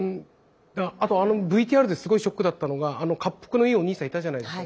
あとあのＶＴＲですごいショックだったのがかっぷくのいいお兄さんいたじゃないですか。